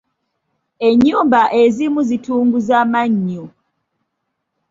Ennyumba ezimu zitunguza mannyo.